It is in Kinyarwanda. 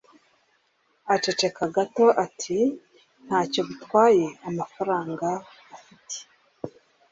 Aceceka gato ati: "Ntacyo bitwaye amafaranga afite."